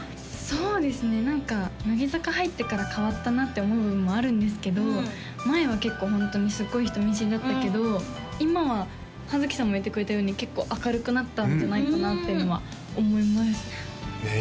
そうですね何か乃木坂入ってから変わったなって思う部分もあるんですけど前は結構ホントにすごい人見知りだったけど今は葉月さんも言ってくれたように結構明るくなったんじゃないかなっていうのは思いますねえ